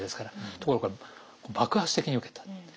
ところが爆発的にウケた。